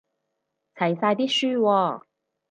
齊晒啲書喎